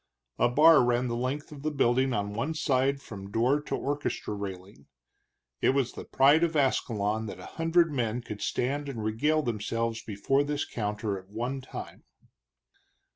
A bar ran the length of the building on one side from door to orchestra railing. It was the pride of Ascalon that a hundred men could stand and regale themselves before this counter at one time.